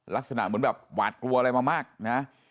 ลักษณะเหมือนแบบหวาดกลัวอะไรมามากนะ